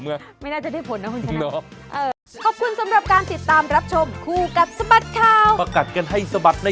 ไม่น่าจะได้ผลนะคุณชนะ